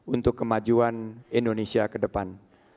untuk kemajuan indonesia ke depan